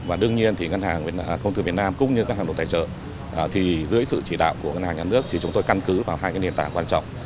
và đương nhiên thì ngân hàng công thương việt nam cũng như các hàng đồng tài trợ thì dưới sự chỉ đạo của ngân hàng nhà nước thì chúng tôi căn cứ vào hai cái nền tảng quan trọng